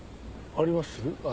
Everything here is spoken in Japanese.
あります？